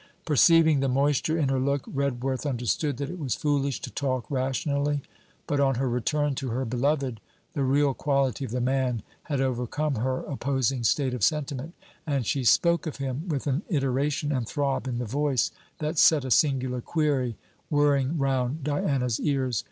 Perceiving the moisture in her look, Redworth understood that it was foolish to talk rationally. But on her return to her beloved, the real quality of the man had overcome her opposing state of sentiment, and she spoke of him with an iteration and throb in the voice that set a singular query whirring round Diana's ears.